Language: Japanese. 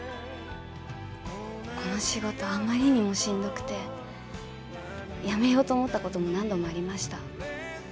この仕事あまりにもしんどくて辞めようと思った事も何度もありました。